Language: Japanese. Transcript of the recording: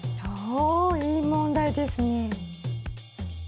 おいい問題ですね。